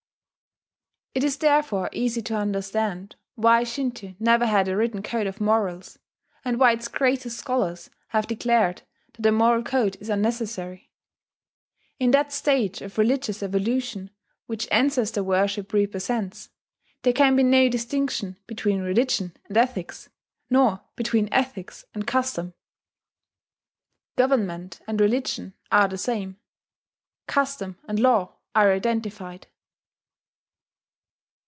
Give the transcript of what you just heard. It is therefore easy to understand why Shinto never had a written code of morals, and why its greatest scholars have declared that a moral code is unnecessary. In that stage of religious evolution which ancestor worship represents, there can be no distinction between religion and ethics, nor between ethics and custom. Government and religion are the same; custom and law are identified.